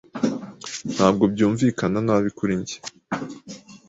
Ntabwo byumvikana nabi kuri njye.